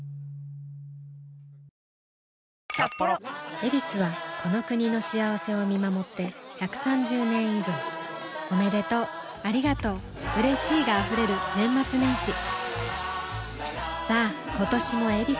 「ヱビス」はこの国の幸せを見守って１３０年以上おめでとうありがとううれしいが溢れる年末年始さあ今年も「ヱビス」で